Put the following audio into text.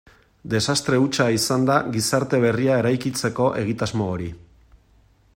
Desastre hutsa izan da gizarte berria eraikitzeko egitasmo hori.